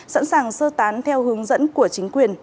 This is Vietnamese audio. sẵn sàng sơ tán theo hướng dẫn của chính quyền